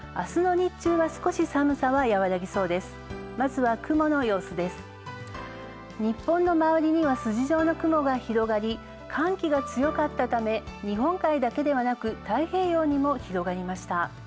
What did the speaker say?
日本の周りには筋状の雲が広がり寒気が強かったため、日本海だけではなく、太平洋にも広がりました。